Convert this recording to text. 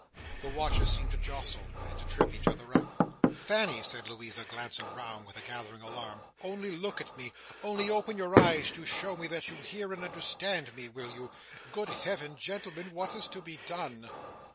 The watches seemed to jostle, and to trip each other up. "Fanny!" said Louisa, glancing round, with a gathering alarm. "Only look at me. Only open your eyes to show me that you hear and understand me; will you? Good Heaven, gentlemen, what is to be done!"